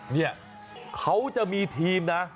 เนี่ยเขาจะมีทีมนะ